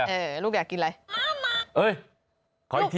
ลูกอยากกินอะไร